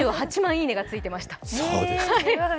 「いいね」がついてました。